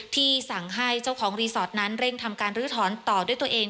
ที่สั่งให้เจ้าของรีสอร์ทนั้นเร่งทำการลื้อถอนต่อด้วยตัวเอง